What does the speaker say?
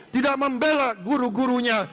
tidak membela guru gurunya